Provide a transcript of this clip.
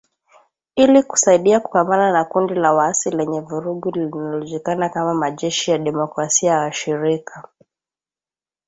Ili kusaidia kupambana na kundi la waasi lenye vurugu linalojulikana kama Majeshi ya demokrasia ya washirika.